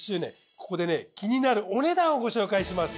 ここで気になるお値段をご紹介します。